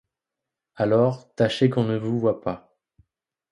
Alors, tâchez qu’on ne vous voie pas.